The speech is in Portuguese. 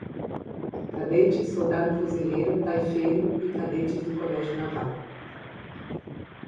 Cadete, Soldado Fuzileiro, Taifeiro e cadetes do Colégio Naval